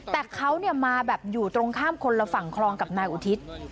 แต่เขามาแบบอยู่ตรงข้ามคนละฝั่งคลองกับนายอุทิศ